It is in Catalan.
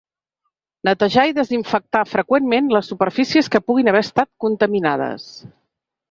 Netejar i desinfectar freqüentment les superfícies que puguin haver estat contaminades.